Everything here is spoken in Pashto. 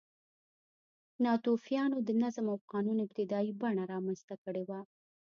ناتوفیانو د نظم او قانون ابتدايي بڼه رامنځته کړې وه.